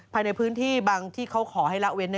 ภายในพื้นที่บางที่เขาขอให้ละเว้น